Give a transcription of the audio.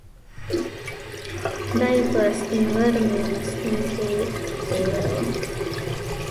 دای په سپین غر میلمستون کې دېره و.